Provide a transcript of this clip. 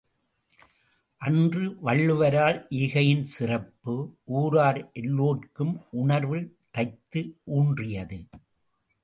அன்று வள்ளுவரால் ஈகையின் சிறப்பு ஊரார் எல்லோர்க்கும் உணர்விலே தைத்து ஊன்றியது.